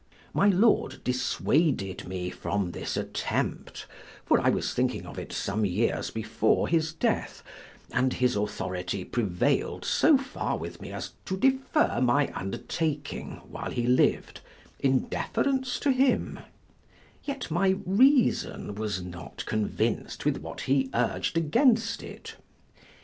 My lord dissuaded me from this attempt, (for I was thinking of it some years before his death,) and his authority prevail'd so far with me as to defer my undertaking while he liv'd, in deference to him: yet my reason was not convinc'd with what he urg'd against it.